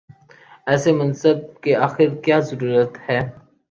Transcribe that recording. ایسے منصب کی آخر کیا ضرورت ہے؟